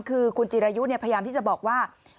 คือคุณจิรายุพยายามที่จะบอกว่า